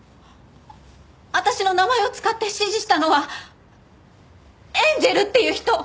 私の名前を使って指示したのはエンジェルっていう人。